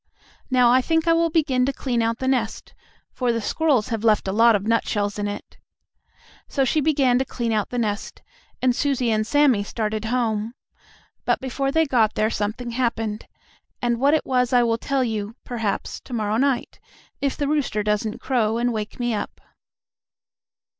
Now I think I will begin to clean out the nest, for the squirrels have left a lot of nutshells in it." So she began to clean out the nest, and Susie and Sammie started home. But, before they got there something happened, and what it was I will tell you, perhaps, to morrow night, if the rooster doesn't crow and wake me up.